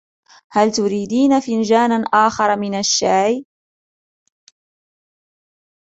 هل تريدين فنجانا آخر من الشاي ؟